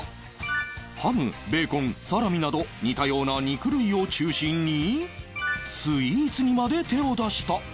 ハムベーコンサラミなど似たような肉類を中心にスイーツにまで手を出した